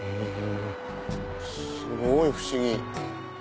すごい不思議。